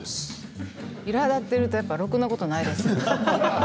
いらだっているとろくなことないですね。